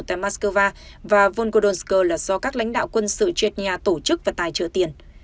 tại moscow và volgodovsk là do các lãnh đạo quân sự chết nhà tổ chức và tài trợ tiền